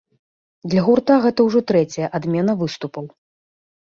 Для гурта гэта ўжо трэцяя адмена выступаў.